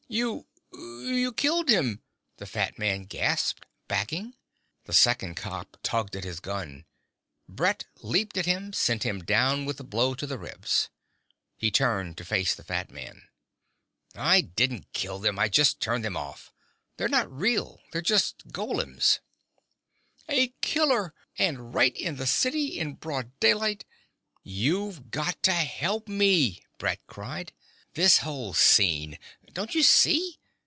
"You ... you killed him," the fat man gasped, backing. The second cop tugged at his gun. Brett leaped at him, sent him down with a blow to the ribs. He turned to face the fat man. "I didn't kill them! I just turned them off. They're not real, they're just golems." "A killer! And right in the city, in broad daylight." "You've got to help me!" Brett cried. "This whole scene: don't you see?